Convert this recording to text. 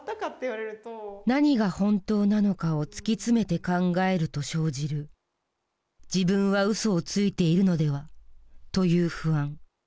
何が本当なのかを突き詰めて考えると生じる「自分は嘘をついているのでは」という不安。